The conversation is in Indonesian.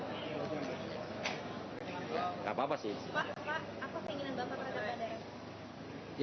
gak apa apa sih